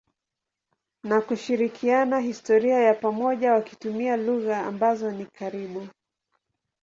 na kushirikiana historia ya pamoja wakitumia lugha ambazo ni karibu.